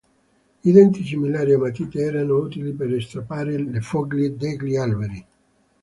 I denti simili a matite erano utili per strappare le foglie degli alberi.